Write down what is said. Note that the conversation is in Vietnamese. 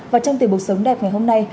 và trong tiềm bộ sống đẹp ngày hôm nay